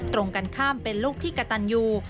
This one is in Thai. ตรงกันข้ามเป็นลูกที่กระตันยู